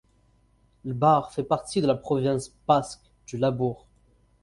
Ibarre fait partie de la province basque du Labourd.